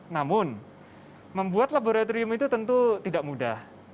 namun membuat laboratorium itu tentu tidak mudah